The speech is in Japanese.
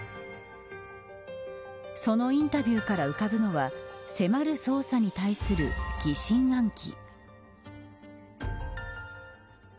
そのインタビューから浮かぶのは迫る捜査に対する疑心暗鬼。